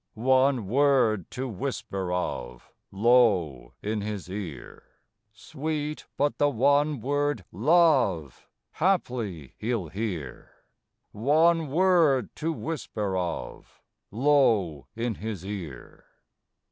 One word to whisper of Low in his ear; Sweet, but the one word "love" Haply he'll hear. One word to whisper of Low in his ear.